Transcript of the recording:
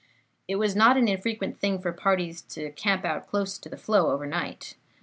It was not an infrequent thing for parties to camp out close to the flow over night.